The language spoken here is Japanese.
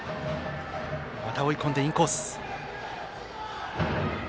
追い込んで、インコース。